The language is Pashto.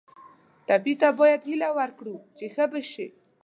ټپي ته باید هیله ورکړو چې ښه به شي.